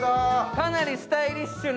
かなりスタイリッシュな。